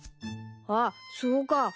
あっそうか。